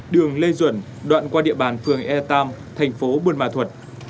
đường lê duẩn đoạn qua địa bàn phường ia tam thành phố bùn ma thuật